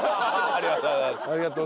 ありがとうございます。